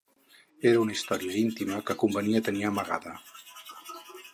Era una història íntima que convenia tenir amagada.